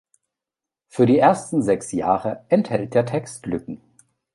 Für die ersten sechs Jahre enthält der Text Lücken.